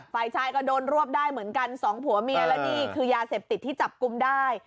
ฝ่ายชายก็โดนรวบได้เหมือนกันสองผัวเมียและนี่คือยาเสพติดที่จับกลุ่มได้